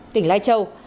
tỉnh lai châu